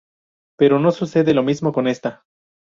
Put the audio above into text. Pero no sucede lo mismo con esta.